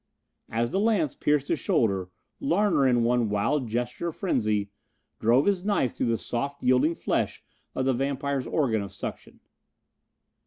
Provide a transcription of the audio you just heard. As the lance pierced his shoulder Larner, in one wild gesture of frenzy, drove his knife through the soft, yielding flesh of the vampire's organ of suction.